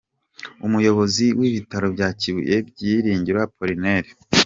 Umuyobozi w’ibitaro bya Kibuye Byiringiro Appolinaire.